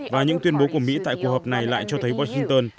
và những tuyên bố của mỹ tại cuộc họp này lại cho thấy washington